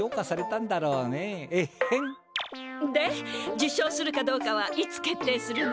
受賞するかどうかはいつ決定するの？